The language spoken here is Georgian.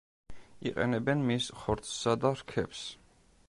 იყენებენ მის ხორცსა და რქებს.